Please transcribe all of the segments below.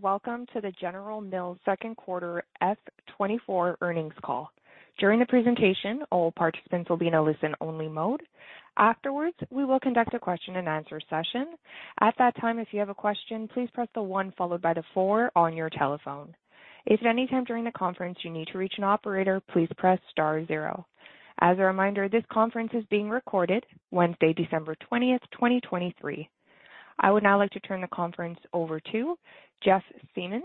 Welcome to the General Mills second quarter FY24 earnings call. During the presentation, all participants will be in a listen-only mode. Afterwards, we will conduct a question-and-answer session. At that time, if you have a question, please press the one followed by the four on your telephone. If at any time during the conference you need to reach an operator, please press star zero. As a reminder, this conference is being recorded Wednesday, December 20, 2023. I would now like to turn the conference over to Jeff Siemon,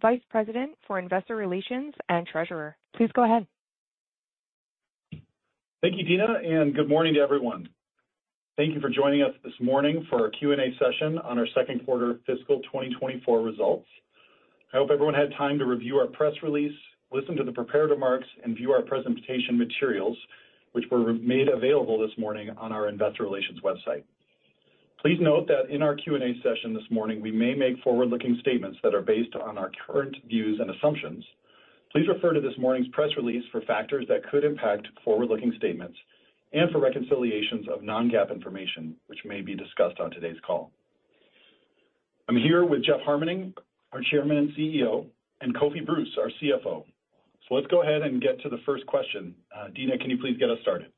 Vice President for Investor Relations and Treasurer. Please go ahead. Thank you, Dina, and good morning to everyone. Thank you for joining us this morning for our Q&A session on our second quarter fiscal 2024 results. I hope everyone had time to review our press release, listen to the prepared remarks, and view our presentation materials, which were remade available this morning on our investor relations website. Please note that in our Q&A session this morning, we may make forward-looking statements that are based on our current views and assumptions. Please refer to this morning's press release for factors that could impact forward-looking statements and for reconciliations of non-GAAP information which may be discussed on today's call. I'm here with Jeff Harmening, our Chairman and CEO, and Kofi Bruce, our CFO. So let's go ahead and get to the first question. Dina, can you please get us started?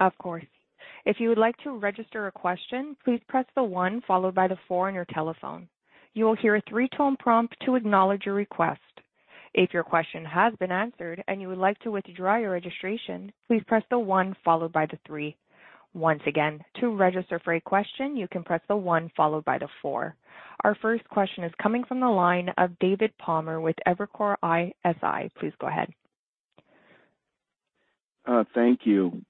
Of course. If you would like to register a question, please press the one followed by the four on your telephone. You will hear a three-tone prompt to acknowledge your request. If your question has been answered and you would like to withdraw your registration, please press the one followed by the three. Once again, to register for a question, you can press the one followed by the four. Our first question is coming from the line of David Palmer with Evercore ISI. Please go ahead. Thank you.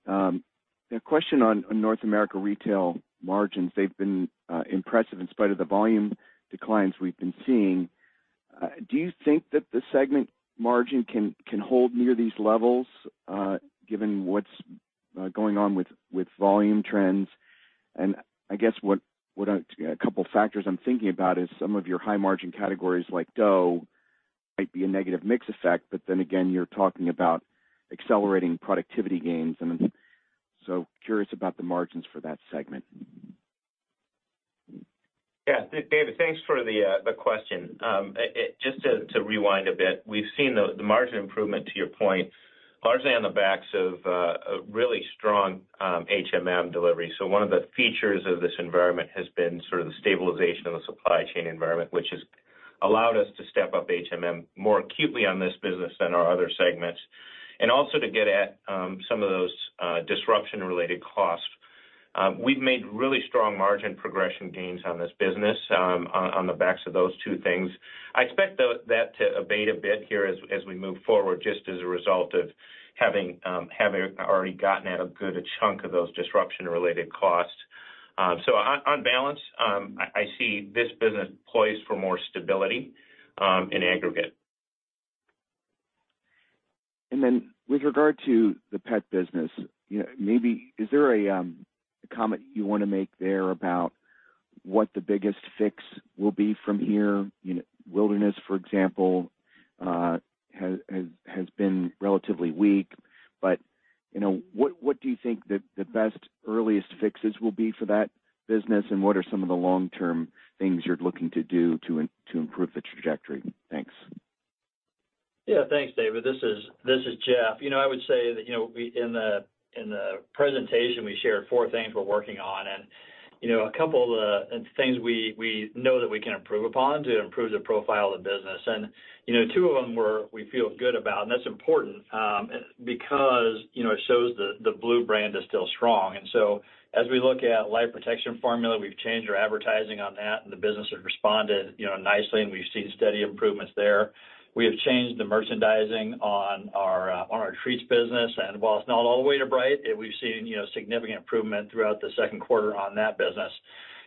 A question on North America Retail margins. They've been impressive in spite of the volume declines we've been seeing. Do you think that the segment margin can hold near these levels, given what's going on with volume trends? And I guess a couple of factors I'm thinking about is some of your high-margin categories like dough might be a negative mix effect, but then again, you're talking about accelerating productivity gains. And so curious about the margins for that segment. Yeah, David, thanks for the question. Just to rewind a bit, we've seen the margin improvement, to your point, largely on the backs of a really strong HMM delivery. So one of the features of this environment has been sort of the stabilization of the supply chain environment, which has allowed us to step up HMM more acutely on this business than our other segments, and also to get at some of those disruption-related costs. We've made really strong margin progression gains on this business, on the backs of those two things. I expect that to abate a bit here as we move forward, just as a result of having already gotten at a good chunk of those disruption-related costs. So, on balance, I see this business poised for more stability in aggregate. And then with regard to the pet business, you know, maybe is there a comment you want to make there about what the biggest fix will be from here? You know, Wilderness, for example, has been relatively weak. But, you know, what do you think the best earliest fixes will be for that business, and what are some of the long-term things you're looking to do to improve the trajectory? Thanks. Yeah, thanks, David. This is, this is Jeff. You know, I would say that, you know, we in the, in the presentation, we shared four things we're working on and, you know, a couple of the things we, we know that we can improve upon to improve the profile of the business. And, you know, two of them were, we feel good about, and that's important, because, you know, it shows the, the Blue Brand is still strong. And so as we look at Life Protection Formula, we've changed our advertising on that, and the business has responded, you know, nicely, and we've seen steady improvements there. We have changed the merchandising on our, on our treats business, and while it's not all the way to bright, we've seen significant improvement throughout the second quarter on that business,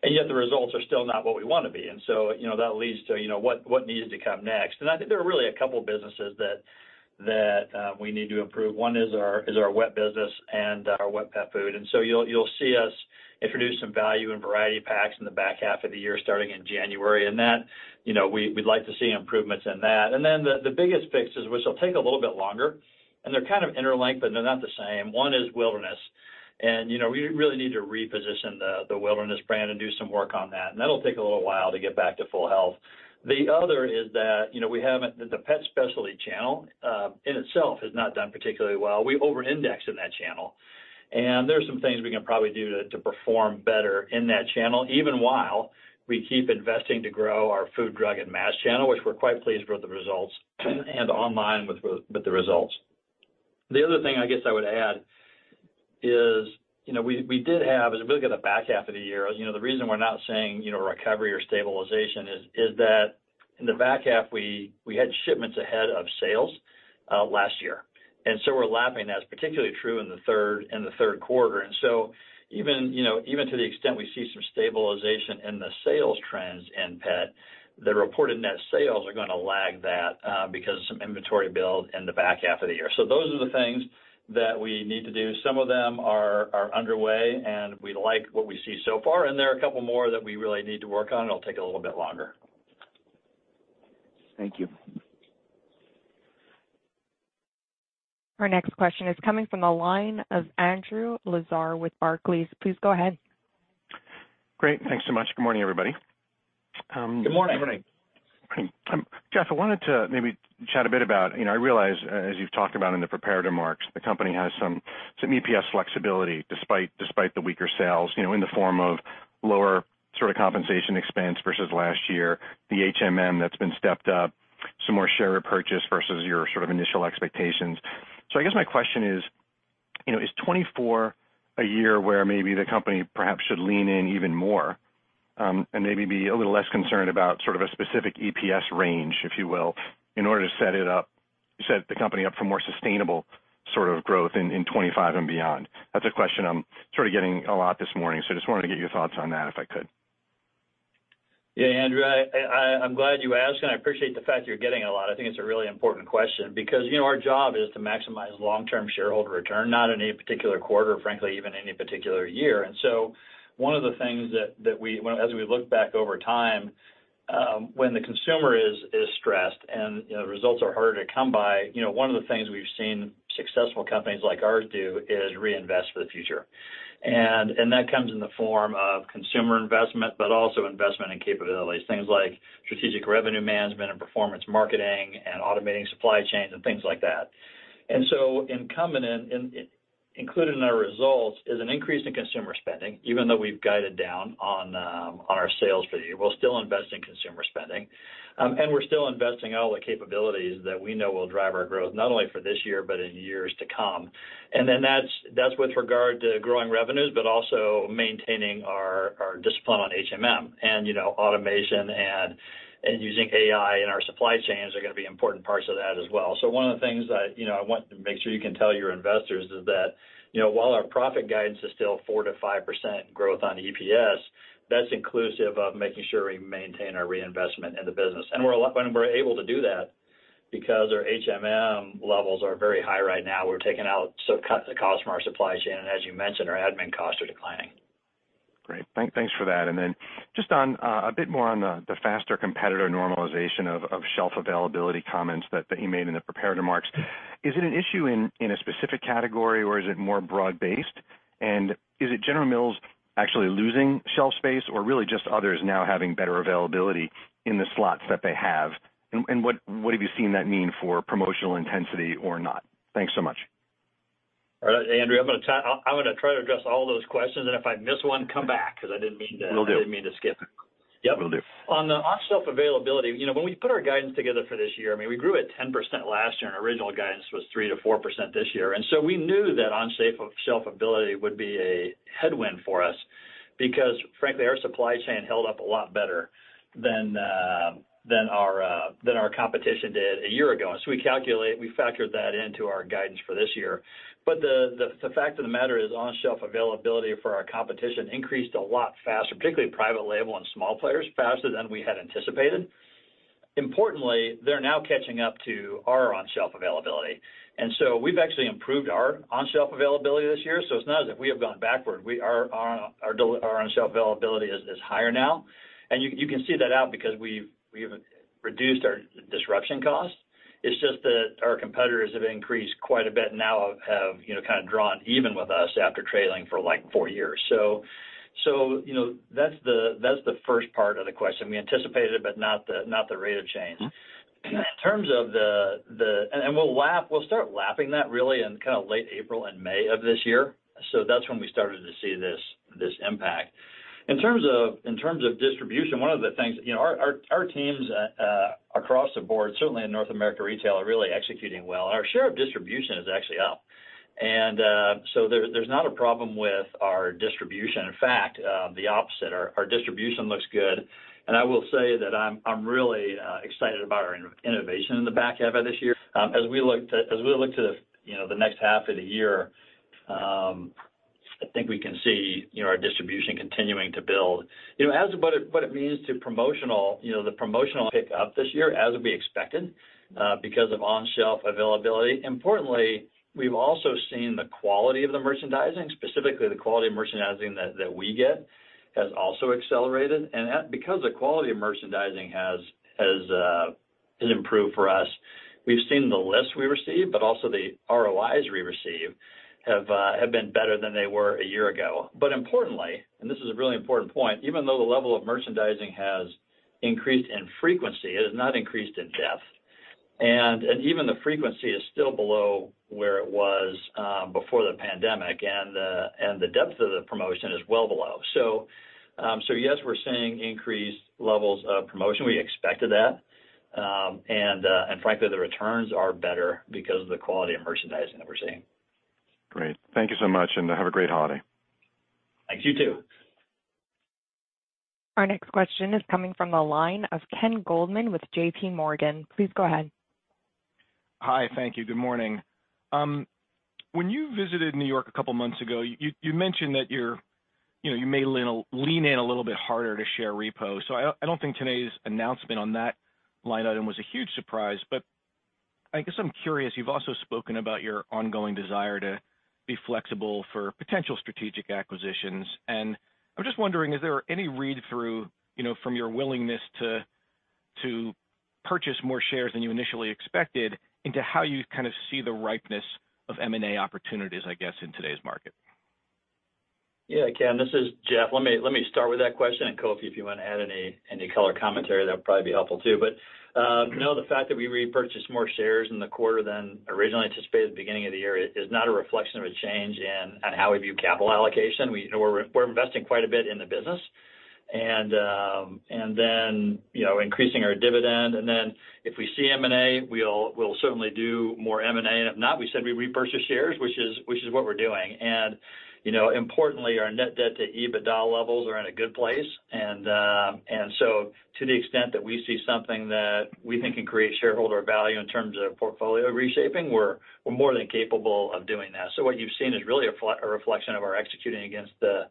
and yet the results are still not what we want to be. And so, you know, that leads to, you know, what, what needs to come next. And I think there are really a couple of businesses that, that, we need to improve. One is our, is our wet business and our wet pet food. And so you'll, you'll see us introduce some value and variety packs in the back half of the year, starting in January. And that, you know, we, we'd like to see improvements in that. And then the, the biggest fixes, which will take a little bit longer, and they're kind of interlinked, but they're not the same. One is Wilderness, and, you know, we really need to reposition the, the Wilderness brand and do some work on that, and that'll take a little while to get back to full health. The other is that, you know, we haven't the pet specialty channel in itself has not done particularly well. We over-indexed in that channel, and there are some things we can probably do to, to perform better in that channel, even while we keep investing to grow our food, drug, and mass channel, which we're quite pleased with the results, and online with the, with the results. The other thing I guess I would add is, you know, we, we did have... As we look at the back half of the year, you know, the reason we're not saying, you know, recovery or stabilization is that in the back half, we had shipments ahead of sales last year, and so we're lapping. That's particularly true in the third quarter. And so even, you know, even to the extent we see some stabilization in the sales trends in pet, the Reported Net Sales are gonna lag that because of some inventory build in the back half of the year. So those are the things that we need to do. Some of them are underway, and we like what we see so far, and there are a couple more that we really need to work on. It'll take a little bit longer. Thank you. Our next question is coming from the line of Andrew Lazar with Barclays. Please go ahead. Great. Thanks so much. Good morning, everybody, Good morning. Good morning. Jeff, I wanted to maybe chat a bit about, you know, I realize, as you've talked about in the prepared remarks, the company has some EPS flexibility, despite the weaker sales, you know, in the form of lower sort of compensation expense versus last year, the HMM that's been stepped up, some more share repurchase versus your sort of initial expectations. So I guess my question is, you know, is 2024 a year where maybe the company perhaps should lean in even more, and maybe be a little less concerned about sort of a specific EPS range, if you will, in order to set the company up for more sustainable sort of growth in 2025 and beyond? That's a question I'm sort of getting a lot this morning, so just wanted to get your thoughts on that, if I could. Yeah, Andrew, I’m glad you asked, and I appreciate the fact you’re getting it a lot. I think it’s a really important question because, you know, our job is to maximize long-term shareholder return, not in any particular quarter, frankly, even any particular year. And so one of the things that we, as we look back over time, when the consumer is stressed And, you know, results are harder to come by, you know, one of the things we’ve seen successful companies like ours do is reinvest for the future. And that comes in the form of consumer investment, but also investment in capabilities. Things like strategic revenue management and performance marketing, and automating supply chains, and things like that. And so inherent in—included in our results is an increase in consumer spending, even though we've guided down on our sales for the year, we're still investing in consumer spending. And we're still investing in all the capabilities that we know will drive our growth, not only for this year, but in years to come. And then that's with regard to growing revenues, but also maintaining our discipline on HMM and, you know, automation and using AI in our supply chains are gonna be important parts of that as well. So one of the things that, you know, I want to make sure you can tell your investors is that, you know, while our profit guidance is still 4%-5% growth on EPS, that's inclusive of making sure we maintain our reinvestment in the business. We're able to do that because our HMM levels are very high right now. We're taking out, so cut the cost from our supply chain, and as you mentioned, our admin costs are declining. Great. Thanks for that. And then just on a bit more on the faster competitor normalization of shelf availability comments that you made in the prepared remarks. Is it an issue in a specific category, or is it more broad-based? And is it General Mills actually losing shelf space, or really just others now having better availability in the slots that they have? And what have you seen that mean for promotional intensity or not? Thanks so much. All right, Andrew, I'm gonna try to address all those questions, and if I miss one, come back, because I didn't mean to. Will do. I didn't mean to skip. Yep. Will do. On the on-shelf availability, you know, when we put our guidance together for this year, I mean, we grew at 10% last year, and original guidance was 3%-4% this year. So we knew that on-shelf availability would be a headwind for us because, frankly, our supply chain held up a lot better than our competition did a year ago. So we factored that into our guidance for this year. But the fact of the matter is, on-shelf availability for our competition increased a lot faster, particularly private label and small players, faster than we had anticipated. Importantly, they're now catching up to our on-shelf availability, and so we've actually improved our on-shelf availability this year. So it's not as if we have gone backward. Our on-shelf availability is higher now, and you can see that out because we've reduced our disruption costs. It's just that our competitors have increased quite a bit and now have, you know, kind of drawn even with us after trailing for, like, four years. So, you know, that's the first part of the question. We anticipated it, but not the rate of change. Mm-hmm. In terms of the, we'll start lapping that really in kind of late April and May of this year. So that's when we started to see this impact. In terms of distribution, one of the things, you know, our teams across the board, certainly in North America Retail, are really executing well. Our share of distribution is actually up, and so there's not a problem with our distribution. In fact, the opposite. Our distribution looks good, and I will say that I'm really excited about our innovation in the back half of this year. As we look to the, you know, the next half of the year, I think we can see, you know, our distribution continuing to build. You know, as to what it means to promotional, you know, the promotional pick-up this year, as would be expected, because of on-shelf availability. Importantly, we've also seen the quality of the merchandising, specifically the quality of merchandising that we get, has also accelerated. Because the quality of merchandising has improved for us, we've seen the less we receive, but also the ROIs we receive have been better than they were a year ago. Importantly, and this is a really important point, even though the level of merchandising has increased in frequency, it has not increased in depth, and even the frequency is still below where it was before the pandemic, and the depth of the promotion is well below. Yes, we're seeing increased levels of promotion. We expected that, and frankly, the returns are better because of the quality of merchandising that we're seeing. Great. Thank you so much, and have a great holiday. Thanks. You, too. Our next question is coming from the line of Ken Goldman with JPMorgan. Please go ahead. Hi. Thank you. Good morning. When you visited New York a couple months ago, you mentioned that you know, you may lean in a little bit harder to share repo. So I don't think today's announcement on that line item was a huge surprise, but I guess I'm curious. You've also spoken about your ongoing desire to be flexible for potential strategic acquisitions, and I'm just wondering, is there any read-through, you know, from your willingness to purchase more shares than you initially expected into how you kind of see the ripeness of M&A opportunities, I guess, in today's market? Yeah, Ken, this is Jeff. Let me, let me start with that question, and Kofi, if you want to add any, any color commentary, that would probably be helpful, too. But, no, the fact that we repurchased more shares in the quarter than originally anticipated at the beginning of the year is not a reflection of a change in on how we view capital allocation. We're investing quite a bit in the business and, and then, you know, increasing our dividend. And then if we see M&A, we'll, we'll certainly do more M&A. And if not, we said we'd repurchase shares, which is, which is what we're doing. And, you know, importantly, our Net Debt to EBITDA levels are in a good place. And so to the extent that we see something that we think can create shareholder value in terms of portfolio reshaping, we're more than capable of doing that. So what you've seen is really a reflection of our executing against the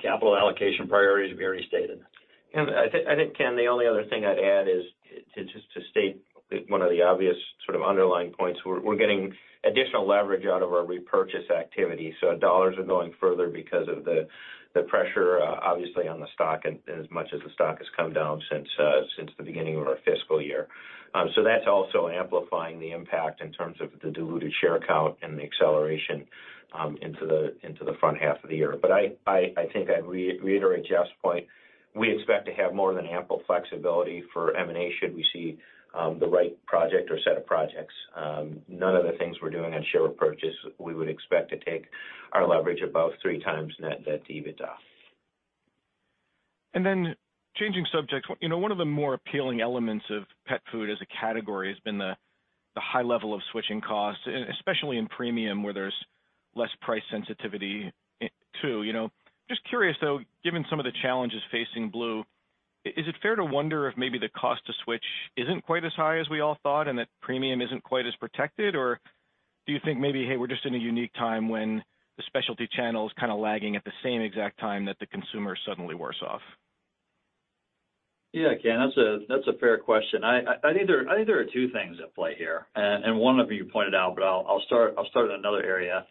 capital allocation priorities we already stated. I think, Ken, the only other thing I'd add is to just state one of the obvious sort of underlying points. We're getting additional leverage out of our repurchase activity, so our dollars are going further because of the pressure, obviously, on the stock and as much as the stock has come down since the beginning of our fiscal year. So that's also amplifying the impact in terms of the diluted share count and the acceleration into the front half of the year. But I think I'd reiterate Jeff's point. We expect to have more than ample flexibility for M&A should we see the right project or set of projects. None of the things we're doing on share repurchase, we would expect to take our leverage above 3x Net Debt to EBITDA. And then changing subjects, you know, one of the more appealing elements of pet food as a category has been the high level of switching costs, especially in premium, where there's less price sensitivity too, you know. Just curious, though, given some of the challenges facing Blue, is it fair to wonder if maybe the cost to switch isn't quite as high as we all thought and that premium isn't quite as protected? Or do you think maybe, hey, we're just in a unique time when the specialty channel is kind of lagging at the same exact time that the consumer is suddenly worse off? Yeah, Ken, that's a fair question. I think there are two things at play here, and one of you pointed out, but I'll start in another area.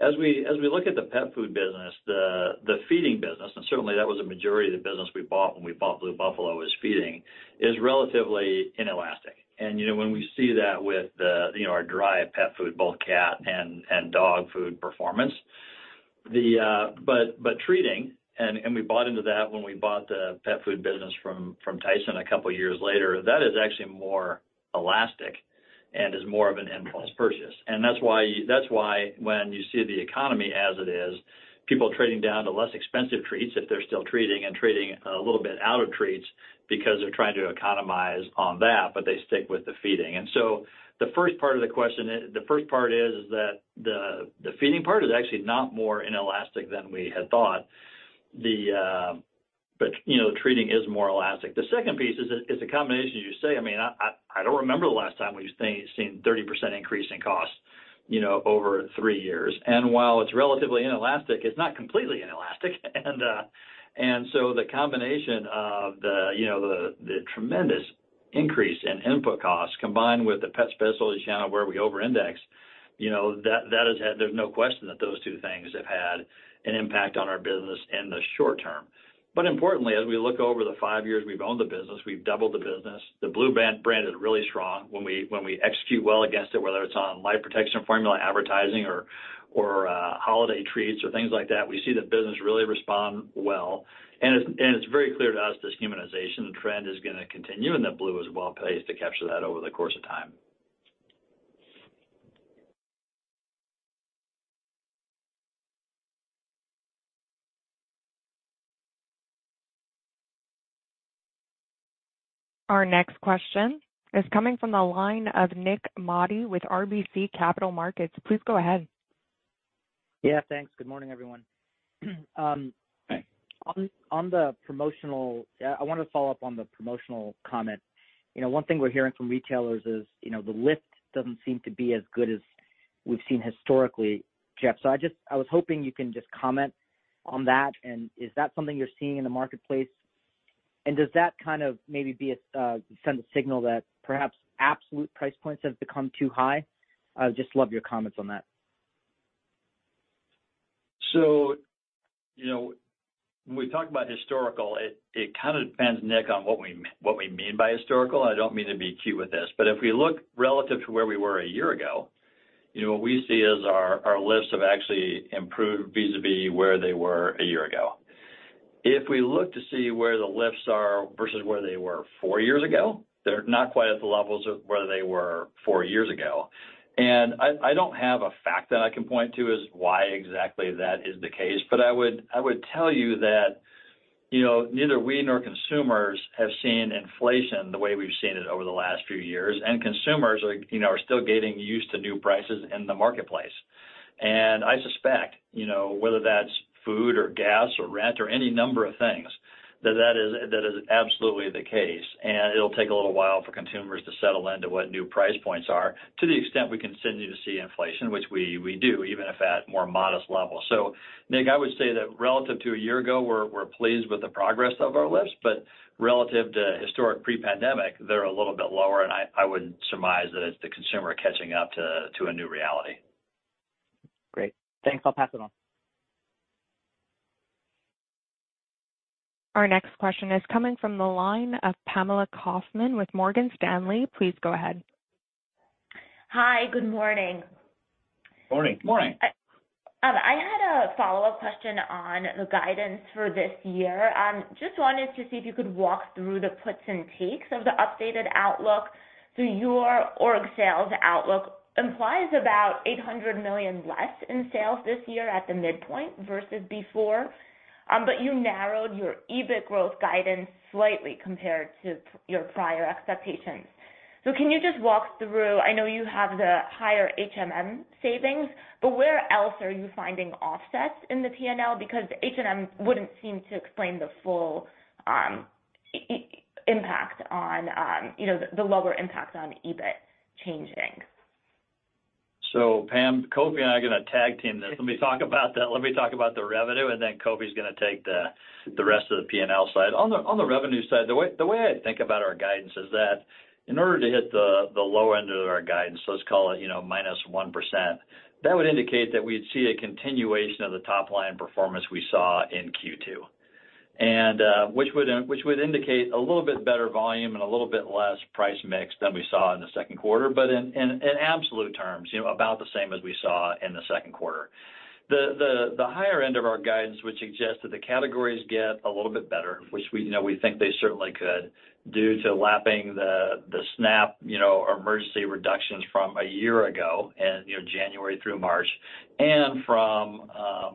As we look at the pet food business, the feeding business, and certainly that was a majority of the business we bought when we bought Blue Buffalo, is feeding, is relatively inelastic. And, you know, when we see that with, you know, our dry pet food, both cat and dog food performance. But treating, and we bought into that when we bought the pet food business from Tyson a couple years later, that is actually more elastic and is more of an impulse purchase. And that's why, that's why when you see the economy as it is, people are trading down to less expensive treats if they're still treating, and treating a little bit out of treats because they're trying to economize on that, but they stick with the feeding. And so the first part of the question, the first part is that the feeding part is actually not more inelastic than we had thought. The, but, you know, treating is more elastic. The second piece is a combination, as you say. I mean, I don't remember the last time we've seen 30% increase in costs, you know, over three years. And while it's relatively inelastic, it's not completely inelastic. And so the combination of the, you know, the, the tremendous increase in input costs, combined with the pet specialty channel where we overindex, you know, that, that has had. There's no question that those two things have had an impact on our business in the short term. But importantly, as we look over the five years we've owned the business, we've doubled the business. The Blue Buffalo brand is really strong. When we, when we execute well against it, whether it's on Life Protection Formula, advertising or, or holiday treats or things like that, we see the business really respond well. And it's, and it's very clear to us this humanization trend is gonna continue and that Blue is well placed to capture that over the course of time. Our next question is coming from the line of Nik Modi with RBC Capital Markets. Please go ahead. Yeah, thanks. Good morning, everyone. Hi. I wanted to follow up on the promotional comment. You know, one thing we're hearing from retailers is, you know, the lift doesn't seem to be as good as we've seen historically, Jeff. So I just—I was hoping you can just comment on that. And is that something you're seeing in the marketplace? And does that kind of maybe be a send a signal that perhaps absolute price points have become too high? I would just love your comments on that. So, you know, when we talk about historical, it kind of depends, Nik, on what we mean by historical. I don't mean to be cute with this, but if we look relative to where we were a year ago, you know, what we see is our lifts have actually improved vis-a-vis where they were a year ago. If we look to see where the lifts are versus where they were four years ago, they're not quite at the levels of where they were four years ago. I don't have a fact that I can point to as why exactly that is the case. But I would, I would tell you that, you know, neither we nor consumers have seen inflation the way we've seen it over the last few years, and consumers are, you know, are still getting used to new prices in the marketplace. And I suspect, you know, whether that's food or gas or rent or any number of things, that that is, that is absolutely the case. And it'll take a little while for consumers to settle into what new price points are, to the extent we continue to see inflation, which we, we do, even if at more modest levels. So Nik, I would say that relative to a year ago, we're, we're pleased with the progress of our lifts, but relative to historic pre-pandemic, they're a little bit lower, and I, I would surmise that it's the consumer catching up to, to a new reality. Great. Thanks. I'll pass it on. Our next question is coming from the line of Pamela Kaufman with Morgan Stanley. Please go ahead. Hi, good morning. Morning. Morning. I had a follow-up question on the guidance for this year. Just wanted to see if you could walk through the puts and takes of the updated outlook. So your org sales outlook implies about $800 million less in sales this year at the midpoint versus before. But you narrowed your EBIT growth guidance slightly compared to your prior expectations. So can you just walk through... I know you have the higher HMM savings, but where else are you finding offsets in the PNL? Because HMM wouldn't seem to explain the full impact on, you know, the lower impact on EBIT changing. So Pam, Kofi and I are gonna tag team this. Let me talk about the revenue, and then Kofi's gonna take the rest of the PNL side. On the revenue side, the way I think about our guidance is that in order to hit the low end of our guidance, let's call it, you know, -1%, that would indicate that we'd see a continuation of the top line performance we saw in Q2, and which would indicate a little bit better volume and a little bit less price mix than we saw in the second quarter. But in absolute terms, you know, about the same as we saw in the second quarter. The higher end of our guidance, which suggests that the categories get a little bit better, which we, you know, we think they certainly could, due to lapping the SNAP, you know, or emergency reductions from a year ago and, you know, January through March, and from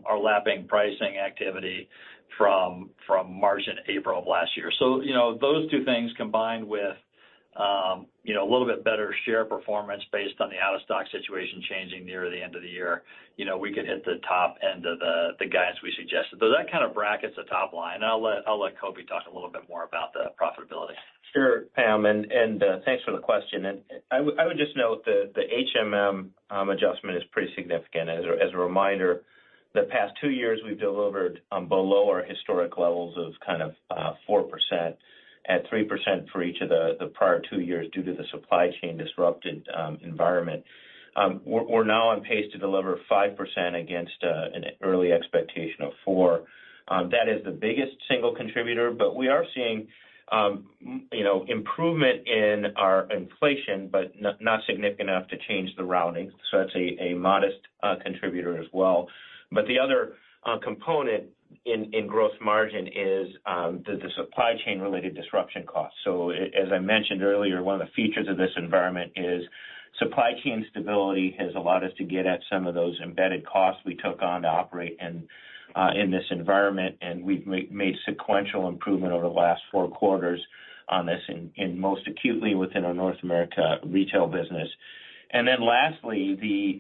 our lapping pricing activity from March and April of last year. So, you know, those two things combined with, you know, a little bit better share performance based on the out-of-stock situation changing near the end of the year, you know, we could hit the top end of the guidance we suggested. So that kind of brackets the top line. I'll let Kofi talk a little bit more about the profitability. Sure, Pam, thanks for the question. I would just note that the HMM adjustment is pretty significant. As a reminder, the past two years we've delivered below our historic levels of kind of 4% at 3% for each of the prior two years due to the supply chain disrupted environment. We're now on pace to deliver 5% against an early expectation of four. That is the biggest single contributor, but we are seeing, you know, improvement in our inflation, but not significant enough to change the rounding. So that's a modest contributor as well. But the other component in gross margin is the supply chain related disruption costs. So as I mentioned earlier, one of the features of this environment is supply chain stability has allowed us to get at some of those embedded costs we took on to operate in this environment, and we've made sequential improvement over the last four quarters on this and most acutely within our North America Retail business. And then lastly,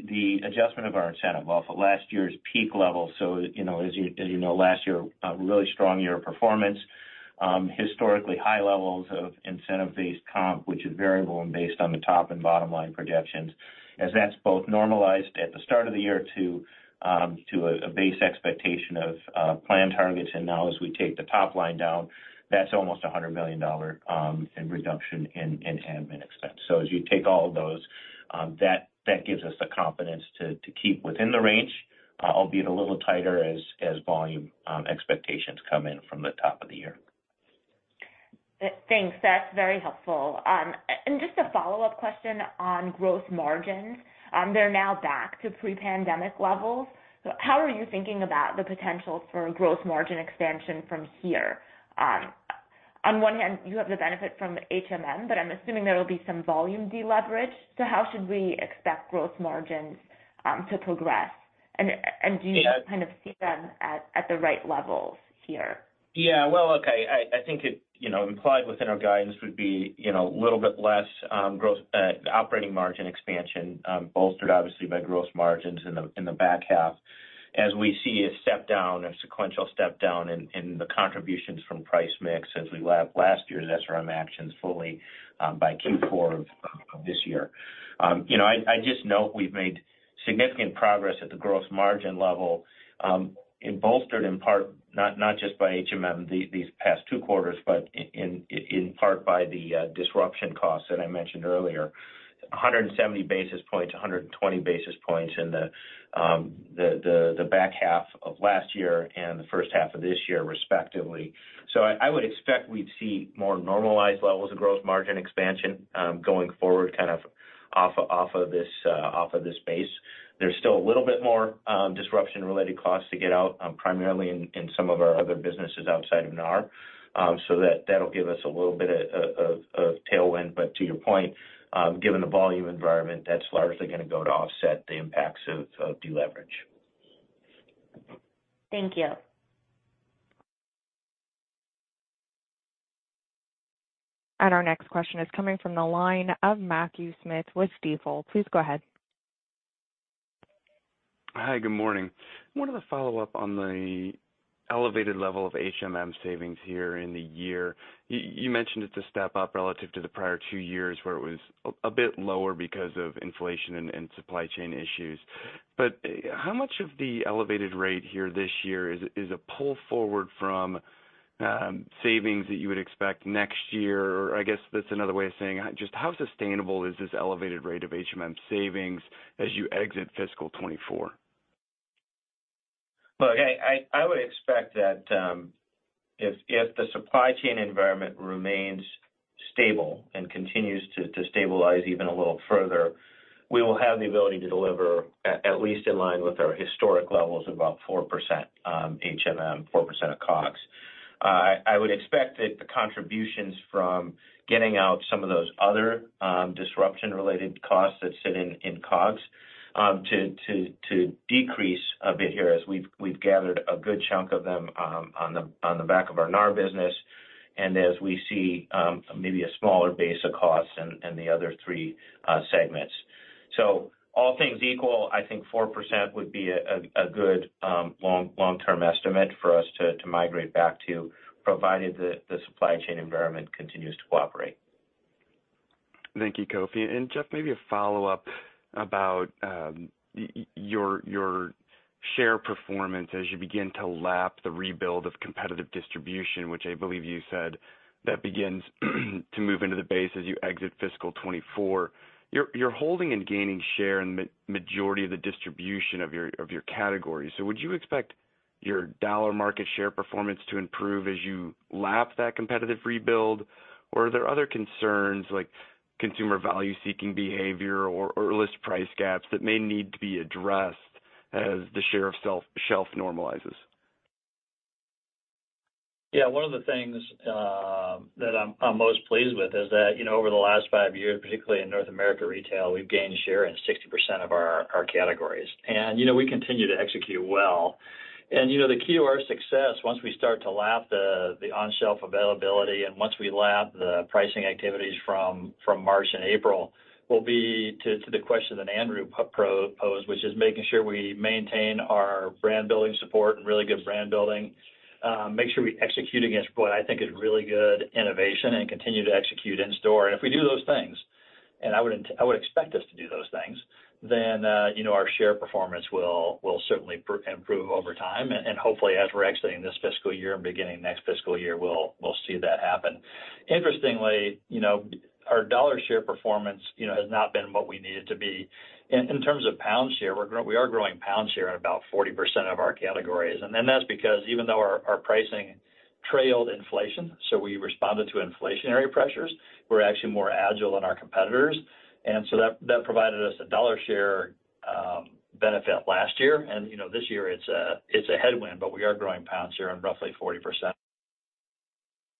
the adjustment of our incentive off of last year's peak level. So, you know, as you know, last year, a really strong year of performance, historically high levels of incentive-based comp, which is variable and based on the top and bottom line projections. As that's both normalized at the start of the year to a base expectation of planned targets, and now as we take the top line down, that's almost $100 million in reduction in admin expense. So as you take all of those, that gives us the confidence to keep within the range, albeit a little tighter as volume expectations come in from the top of the year. Thanks. That's very helpful. And just a follow-up question on gross margins. They're now back to pre-pandemic levels. So how are you thinking about the potential for growth margin expansion from here? On one hand, you have the benefit from HMM, but I'm assuming there will be some volume deleverage. So how should we expect gross margins to progress? And do you kind of see them at the right levels here? Yeah. Well, okay. I think it, you know, implied within our guidance would be, you know, a little bit less growth, operating margin expansion, bolstered obviously by gross margins in the back half as we see a step down, a sequential step down in the contributions from price mix as we lap last year's SRM actions fully, by Q4 of this year. You know, I just know we've made significant progress at the gross margin level, and bolstered in part, not just by HMM these past two quarters, but in part by the disruption costs that I mentioned earlier, 170 basis points, 120 basis points in the back half of last year and the first half of this year, respectively. So I would expect we'd see more normalized levels of growth margin expansion going forward, kind of off of this base. There's still a little bit more disruption-related costs to get out, primarily in some of our other businesses outside of NAR. So that, that'll give us a little bit of tailwind. But to your point, given the volume environment, that's largely gonna go to offset the impacts of deleverage. Thank you. And our next question is coming from the line of Matthew Smith with Stifel. Please go ahead. Hi, good morning. Wanted to follow up on the elevated level of HMM savings here in the year. You mentioned it's a step up relative to the prior two years, where it was a bit lower because of inflation and supply chain issues. But how much of the elevated rate here this year is a pull forward from savings that you would expect next year? Or I guess that's another way of saying, just how sustainable is this elevated rate of HMM savings as you exit fiscal 2024? Look, I would expect that, if the supply chain environment remains stable and continues to stabilize even a little further, we will have the ability to deliver, at least in line with our historic levels, about 4%, HMM, 4% COGS. I would expect that the contributions from getting out some of those other disruption-related costs that sit in COGS to decrease a bit here as we've gathered a good chunk of them, on the back of our NAR business, and as we see maybe a smaller base of costs in the other three segments. So all things equal, I think 4% would be a good long-term estimate for us to migrate back to, provided that the supply chain environment continues to cooperate. Thank you, Kofi. Jeff, maybe a follow-up about your share performance as you begin to lap the rebuild of competitive distribution, which I believe you said that begins to move into the base as you exit fiscal 2024. You're holding and gaining share in the majority of the distribution of your categories. So would you expect your dollar market share performance to improve as you lap that competitive rebuild? Or are there other concerns, like consumer value-seeking behavior or list price gaps that may need to be addressed as the share of shelf normalizes? Yeah, one of the things that I'm most pleased with is that, you know, over the last five years, particularly in North America Retail, we've gained share in 60% of our categories. You know, we continue to execute well. You know, the key to our success, once we start to lap the on-shelf availability, and once we lap the pricing activities from March and April, will be to the question that Andrew posed, which is making sure we maintain our brand building support and really good brand building, make sure we execute against what I think is really good innovation and continue to execute in store. And if we do those things, and I would expect us to do those things, then, you know, our share performance will certainly improve over time. Hopefully, as we're exiting this fiscal year and beginning next fiscal year, we'll see that happen. Interestingly, you know, our dollar share performance, you know, has not been what we need it to be. In terms of pound share, we are growing pound share at about 40% of our categories, and then that's because even though our pricing trailed inflation, so we responded to inflationary pressures, we're actually more agile than our competitors, and so that provided us a dollar share benefit last year. You know, this year it's a headwind, but we are growing pound share on roughly 40%.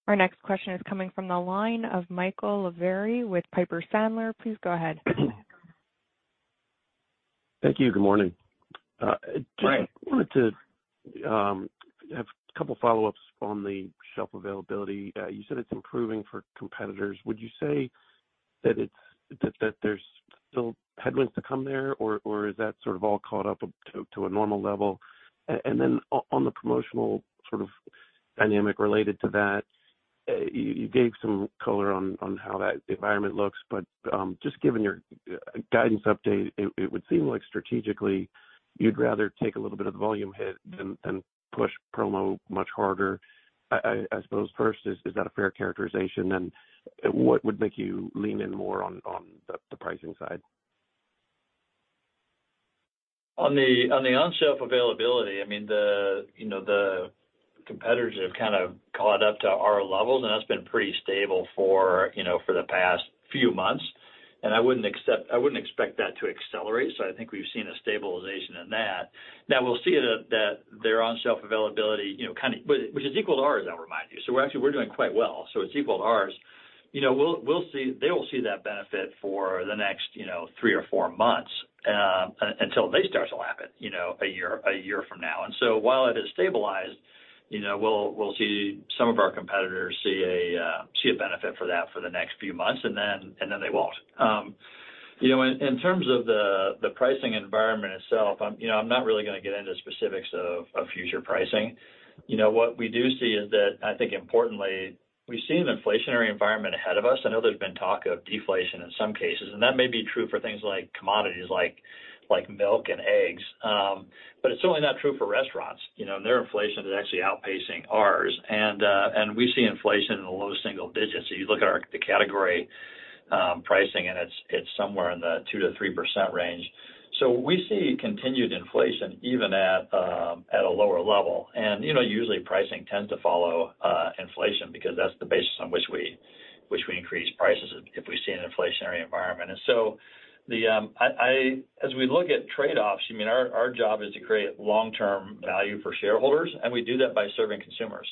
Our next question is coming from the line of Michael Lavery with Piper Sandler. Please go ahead. Thank you. Good morning. Jeff. I wanted to have a couple follow-ups on the shelf availability. You said it's improving for competitors. Would you say that it's that there's still headwinds to come there, or is that sort of all caught up to a normal level? And then on the promotional sort of dynamic related to that, you gave some color on how that environment looks, but just given your guidance update, it would seem like strategically you'd rather take a little bit of the volume hit than push promo much harder. I suppose, first, is that a fair characterization? And what would make you lean in more on the pricing side? On the on-shelf availability, I mean, you know, the competitors have kind of caught up to our levels, and that's been pretty stable for, you know, the past few months. I wouldn't expect that to accelerate. So I think we've seen a stabilization in that. Now, we'll see that their on-shelf availability, you know, kind of, which is equal to ours, I'll remind you. So we're actually doing quite well. So it's equal to ours. You know, we'll see they will see that benefit for the next, you know, three or four months, until they start to lap it, you know, a year, a year from now. While it has stabilized, you know, we'll see some of our competitors see a benefit for that for the next few months, and then they won't. You know, in terms of the pricing environment itself, I'm not really gonna get into specifics of future pricing. You know, what we do see is that, I think importantly, we see an inflationary environment ahead of us. I know there's been talk of deflation in some cases, and that may be true for things like commodities, like milk and eggs, but it's certainly not true for restaurants. You know, and their inflation is actually outpacing ours. And we see inflation in the low single digits. So you look at our, the category pricing, and it's somewhere in the 2%-3% range. So we see continued inflation even at a lower level. And, you know, usually pricing tends to follow inflation, because that's the basis on which we increase prices if we see an inflationary environment. And so as we look at trade-offs, I mean, our job is to create long-term value for shareholders, and we do that by serving consumers.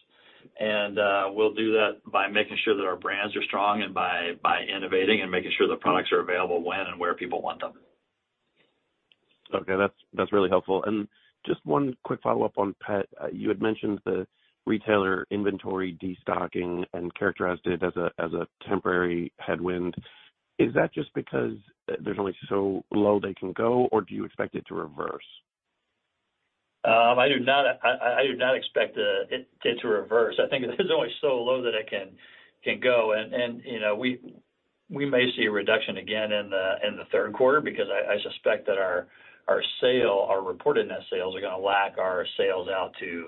And we'll do that by making sure that our brands are strong and by innovating and making sure the products are available when and where people want them. Okay, that's, that's really helpful. And just one quick follow-up on pet. You had mentioned the retailer inventory destocking and characterized it as a, as a temporary headwind. Is that just because there's only so low they can go, or do you expect it to reverse? I do not expect it to reverse. I think there's only so low that it can go. And you know, we may see a reduction again in the third quarter, because I suspect that our sales, our reported net sales are gonna lag our sales out to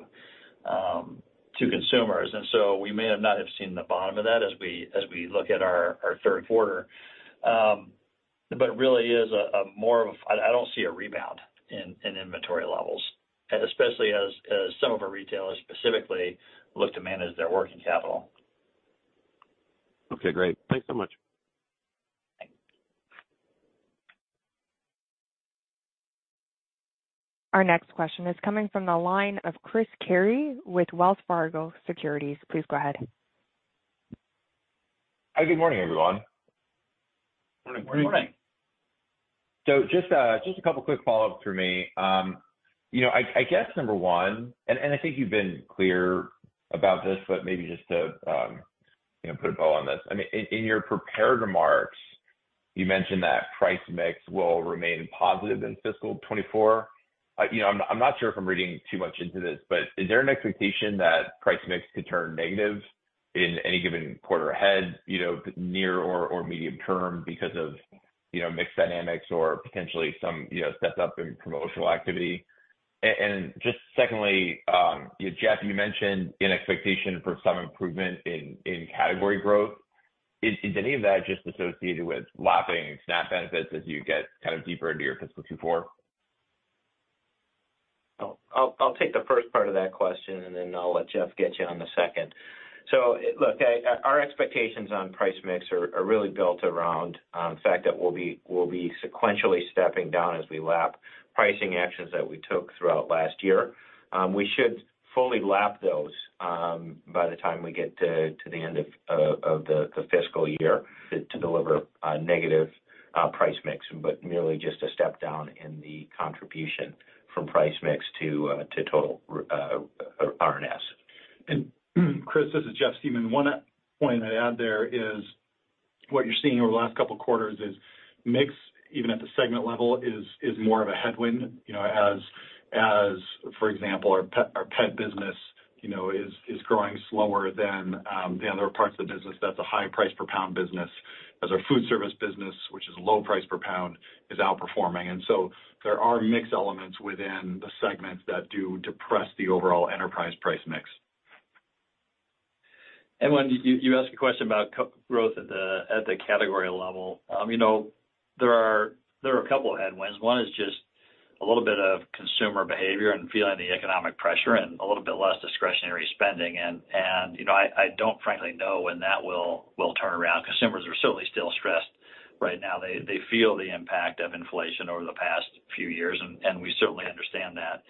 consumers. And so we may not have seen the bottom of that as we look at our third quarter. But really, it's more of a—I don't see a rebound in inventory levels, and especially as some of our retailers specifically look to manage their working capital. Okay, great. Thanks so much. Thanks. Our next question is coming from the line of Chris Carey with Wells Fargo Securities. Please go ahead. Hi, good morning, everyone. Good morning. Good morning. So just, just a couple quick follow-ups for me. You know, I guess number one, and I think you've been clear about this, but maybe just to, you know, put a bow on this. I mean, in your prepared remarks, you mentioned that price mix will remain positive in fiscal 2024. You know, I'm not sure if I'm reading too much into this, but is there an expectation that price mix could turn negative in any given quarter ahead, you know, near or medium term because of, you know, mix dynamics or potentially some, you know, steps up in promotional activity? And just secondly, Jeff, you mentioned an expectation for some improvement in category growth. Is any of that just associated with lapping SNAP benefits as you get kind of deeper into your fiscal 2024? I'll take the first part of that question, and then I'll let Jeff get you on the second. So look, our expectations on price mix are really built around the fact that we'll be sequentially stepping down as we lap pricing actions that we took throughout last year. We should fully lap those by the time we get to the end of the fiscal year to deliver a negative price mix, but merely just a step down in the contribution from price mix to total RNS. Chris, this is Jeff Siemon. One point I'd add there is, what you're seeing over the last couple of quarters is mix, even at the segment level, is more of a headwind, you know, as, for example, our pet business, you know, is growing slower than the other parts of the business. That's a high price per pound business, as our food service business, which is low price per pound, is outperforming. And so there are mix elements within the segments that do depress the overall enterprise price mix. When you asked a question about co-growth at the category level. You know, there are a couple of headwinds. One is just a little bit of consumer behavior and feeling the economic pressure and a little bit less discretionary spending. You know, I don't frankly know when that will turn around. Consumers are certainly still stressed right now. They feel the impact of inflation over the past few years, and we certainly understand that.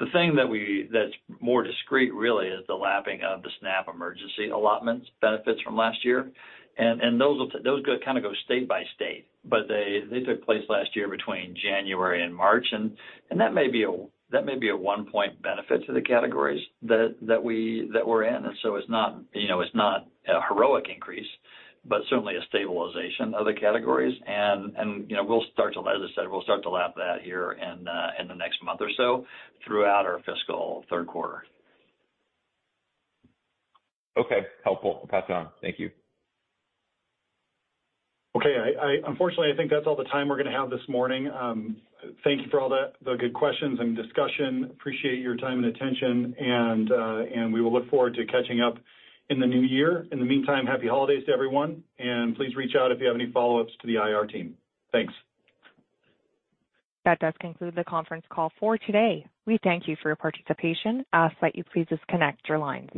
The thing that's more discrete really is the lapping of the SNAP emergency allotments benefits from last year. Those go, kind of, state by state, but they took place last year between January and March. And that may be a 1-point benefit to the categories that we're in. And so it's not, you know, it's not a heroic increase, but certainly a stabilization of the categories. And you know, as I said, we'll start to lap that here in the next month or so throughout our fiscal third quarter. Okay, helpful. Pass it on. Thank you. Okay... Unfortunately, I think that's all the time we're gonna have this morning. Thank you for all the good questions and discussion. Appreciate your time and attention, and we will look forward to catching up in the new year. In the meantime, happy holidays to everyone, and please reach out if you have any follow-ups to the IR team. Thanks. That does conclude the conference call for today. We thank you for your participation. Ask that you please disconnect your lines.